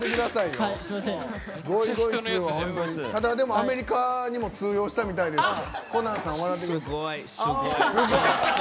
ただ、アメリカにも通用したみたいですよ。